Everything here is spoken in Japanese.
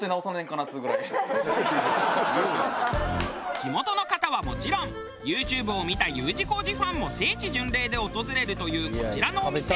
地元の方はもちろんユーチューブを見たＵ字工事ファンも聖地巡礼で訪れるというこちらのお店。